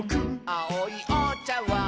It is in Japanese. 「あおいおちゃわん」